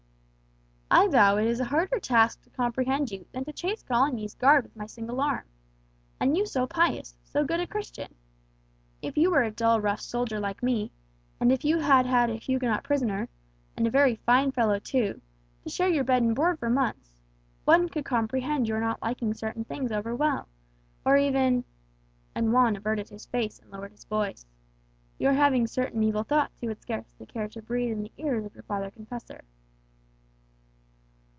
"I vow it is a harder task to comprehend you than to chase Coligny's guard with my single arm! And you so pious, so good a Christian! If you were a dull rough soldier like me, and if you had had a Huguenot prisoner (and a very fine fellow, too) to share your bed and board for months, one could comprehend your not liking certain things over well, or even" and Juan averted his face and lowered his voice "your having certain evil thoughts you would scarcely care to breathe in the ears of your father confessor."